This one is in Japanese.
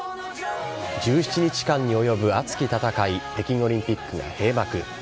１７日間に及ぶ熱き戦い、北京オリンピックが閉幕。